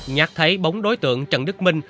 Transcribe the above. nhạt thấy bóng đối tượng trần đức minh